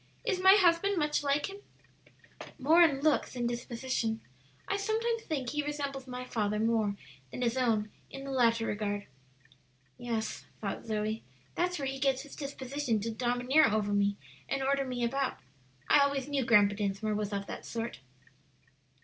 "Is my husband much like him?" "More in looks than disposition. I sometimes think he resembles my father more than his own in the latter regard. "Yes," thought Zoe, "that's where he gets his disposition to domineer over me and order me about. I always knew Grandpa Dinsmore was of that sort."